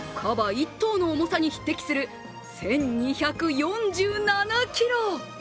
１頭の重さに匹敵する１２４７ｋｇ。